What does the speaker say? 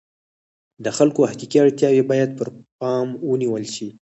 د خلکو حقیقي اړتیاوې باید پر پام ونیول شي.